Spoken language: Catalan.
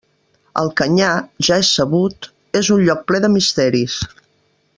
El canyar, ja és sabut, és un lloc ple de misteris.